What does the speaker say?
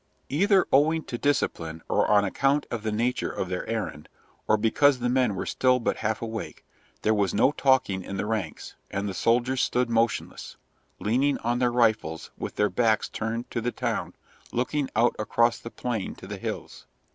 Either owing to discipline or on account of the nature of their errand, or because the men were still but half awake, there was no talking in the ranks, and the soldiers stood motionless, leaning on their rifles, with their backs turned to the town, looking out across the plain to the hills.